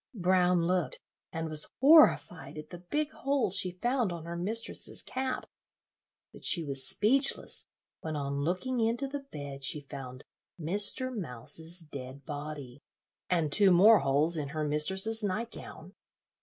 Brown looked, and was horrified at the big hole she found on her mistress's cap; but she was speechless when on looking into the bed she found Mr. Mouse's dead body, and two more holes in her mistress's night gown.